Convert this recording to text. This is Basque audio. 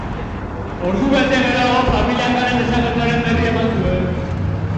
Ordubete geroago familiak haren desagertzearen berri eman zuen.